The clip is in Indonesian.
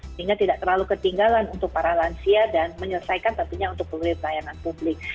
sehingga tidak terlalu ketinggalan untuk para lansia dan menyelesaikan tentunya untuk pelayanan publik